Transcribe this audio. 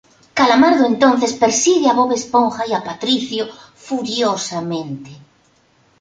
Calamardo entonces persigue a Bob Esponja y a Patricio furiosamente.